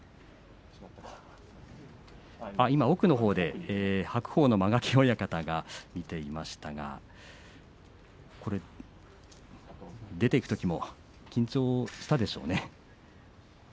今、奥のほうで白鵬の間垣親方が見ていましたがこれは出ていくときも緊張したでしょうね。